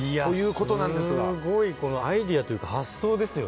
いやすごいこのアイデアというか発想ですよね。